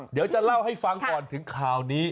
เดี๋ยวจะเล่าให้ฟังก่อนถึงข่าวนี้